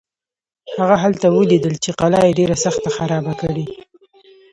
هغه هلته ولیدل چې قلا یې ډېره سخته خرابه کړې.